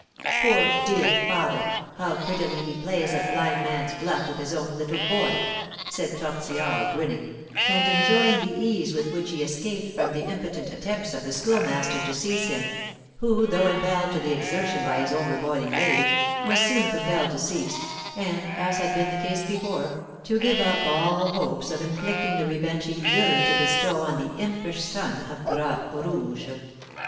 "Poor, dear father! How prettily he plays at blind man's buff with his own little boy," said Tortillard, grinning, and enjoying the ease with which he escaped from the impotent attempts of the Schoolmaster to seize him, who, though impelled to the exertion by his overboiling rage, was soon compelled to cease, and, as had been the case before, to give up all hopes of inflicting the revenge he yearned to bestow on the impish son of Bras Rouge.